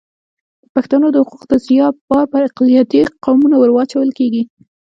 د پښتنو د حقونو د ضیاع بار پر اقلیتي قومونو ور اچول کېږي.